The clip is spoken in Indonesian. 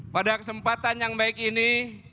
pada kesempatan yang baik ini